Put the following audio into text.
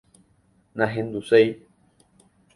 ¡Nahenduséi!